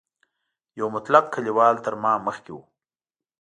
یو مطلق کلیوال تر ما مخکې و.